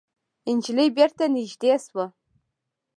نجلۍ بېرته نږدې شوه.